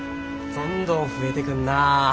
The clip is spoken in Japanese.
どんどん増えてくんなぁ。